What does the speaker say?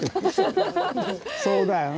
そうだよな！